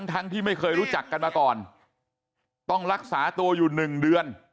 ทั้งที่ไม่เคยรู้จักกันมาก่อนต้องรักษาตัวอยู่๑เดือน